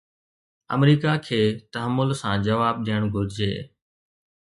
آمريڪا کي تحمل سان جواب ڏيڻ گهرجي.